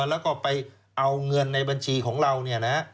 แล้วก็ไปเอาเงินในบัญชีของเราเนี่ยนะ